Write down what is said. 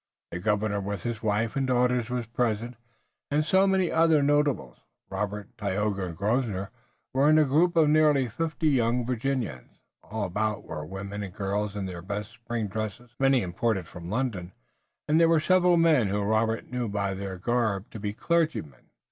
The governor with his wife and daughters was present, and so were many other notables. Robert, Tayoga and Grosvenor were in a group of nearly fifty young Virginians. All about were women and girls in their best spring dresses, many imported from London, and there were several men whom Robert knew by their garb to be clergymen.